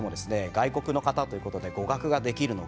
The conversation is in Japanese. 外国の方ということで語学ができるのか。